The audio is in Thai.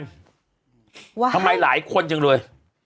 ทำไมหลายคนจังเลย